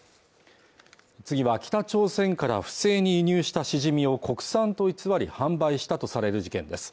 次は北朝鮮から不正に輸入したシジミを国産と偽り販売したとされる事件です